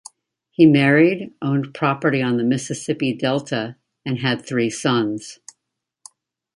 He married, owned property on the Mississippi Delta, and had three sons.